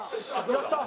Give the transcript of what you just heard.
やったー！